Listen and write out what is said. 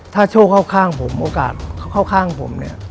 ถ้าโชคเข้าข้างผมโอกาสเข้าข้างผมเนี่ย